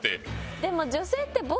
でも。